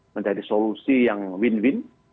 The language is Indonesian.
mencari solusi yang win win